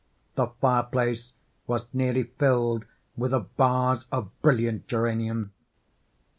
The fire place was nearly filled with a vase of brilliant geranium.